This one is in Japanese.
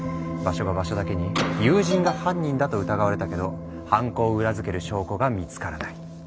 場所が場所だけに友人が犯人だと疑われたけど犯行を裏付ける証拠が見つからない。